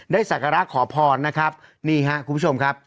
ศักระขอพรนะครับนี่ฮะคุณผู้ชมครับ